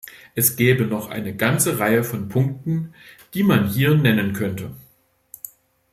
Es gäbe noch eine ganze Reihe von Punkten, die man hier nennen könnte.